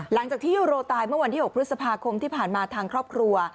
หลังจากที่ยูโรตายเมื่อวันที่๖พฤษภาคมที่ผ่านมาทางครอบครัว